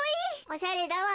おしゃれだわべ。